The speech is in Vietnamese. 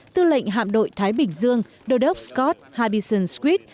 tư lệnh hạm đội thái bình dương đô đốc scott harbison swift